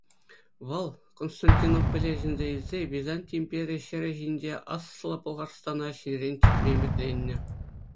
Вӑл, Константинополе ҫӗнсе илсе, Византи импери ҫӗрӗ ҫинче Аслӑ Пӑлхарстана ҫӗнӗрен чӗртме ӗмӗтленнӗ.